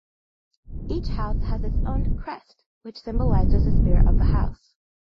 Each house has its own crest which symbolises the spirit of the house.